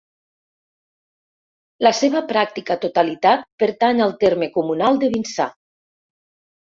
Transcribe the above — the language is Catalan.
La seva pràctica totalitat pertany al terme comunal de Vinçà.